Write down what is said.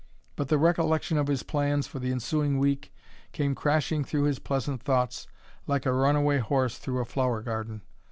But the recollection of his plans for the ensuing week came crashing through his pleasant thoughts like a runaway horse through a flower garden.